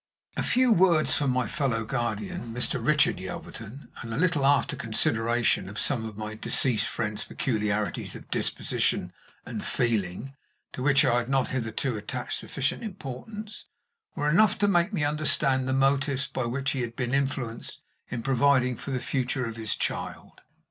A few words from my fellow guardian, Mr. Richard Yelverton, and a little after consideration of some of my deceased friend's peculiarities of disposition and feeling, to which I had not hitherto attached sufficient importance, were enough to make me understand the motives by which he had been influenced in providing for the future of his child.